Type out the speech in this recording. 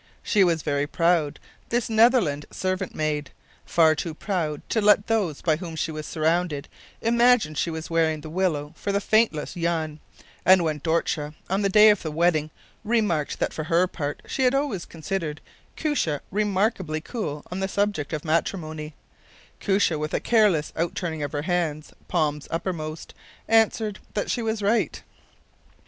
She was very proud, this Netherland servant maid, far too proud to let those by whom she was surrounded imagine she was wearing the willow for the faithless Jan; and when Dortje, on the day of the wedding, remarked that for her part she had always considered Koosje remarkably cool on the subject of matrimony, Koosje with a careless out turning of her hands, palms uppermost, answered that she was right.